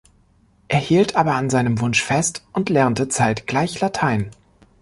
Er hielt aber an seinem Wunsch fest und lernte zeitgleich Latein.